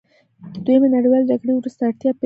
د دویمې نړیوالې جګړې وروسته اړتیا پیښه شوه.